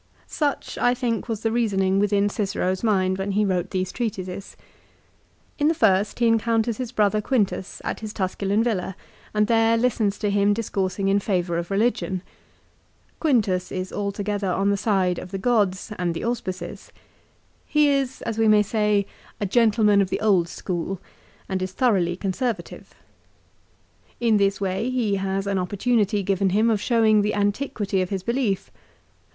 Such, I think, was the reasoning within Cicero's mind when he wrote these treatises. In the first he encounters his brother Quintus at his Tusculan villa, and there listens to him discoursing in favour of religion. Quintus is altogether on the side of the gods and the auspices. He is, as we may say, a gentleman of the old school, and is thoroughly De Divinalione, lib. ii. ca. xxxiii. CICERO'S PHILOSOPHY. 365 conservative. In this way he has an opportunity given him of showing the antiquity of his belief.